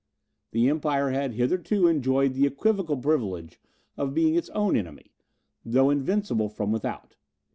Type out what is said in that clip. The Empire had hitherto enjoyed the equivocal privilege of being its own enemy, though invincible from without.